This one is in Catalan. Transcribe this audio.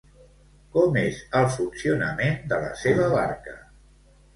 Com és el funcionament de la seva barca?